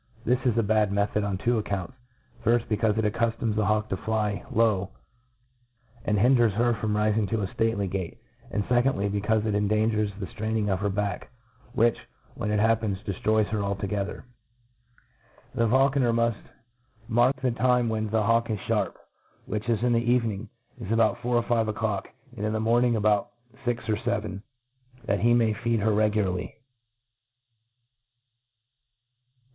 This is a bad method, pn two accounts j \firjlj becaufe it accuftoms ^ hawk to fly low, and hinders her from rifing to a" flatcly gate j and, fecondly^ becaufe it endangers the ftraining of her back, whiich, when it hap? pens, dcftroys her altogether. The 1^4 A T RE AT IS E OF The feulconer muft mark the time when tha hawk is Iharp, which, in the evening, is about four or five o'clock, and in the morning, about fix or feven, \hat he may feed her regularly.